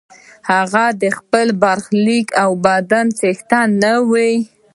هغه د خپل برخلیک او بدن څښتن نه وي.